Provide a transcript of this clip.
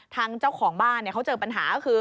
ทางเจ้าของบ้านเขาเจอปัญหาก็คือ